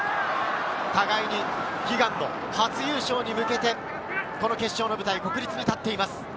互いに悲願の初優勝に向けて、この決勝の舞台・国立に立っています。